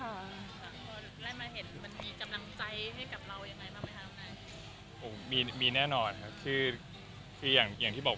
เราได้มาเห็นมันมีกำลังใจให้กับเราอย่างไรบ้าง